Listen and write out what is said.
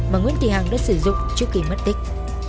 mà nguyễn thị hằng đã sử dụng trước khi mất tích